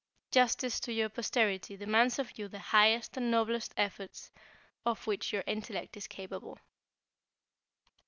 Justice to your posterity demands of you the highest and noblest effort of which your intellect is capable."